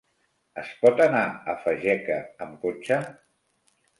Es pot anar a Fageca amb cotxe?